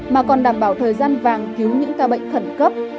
mà còn đảm bảo thời gian vàng cứu những ca bệnh khẩn cấp